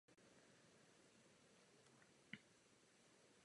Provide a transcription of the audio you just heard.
Tvoří ho pouze jihovýchodní část města Bondy.